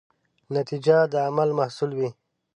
نتیجه د عمل محصول وي.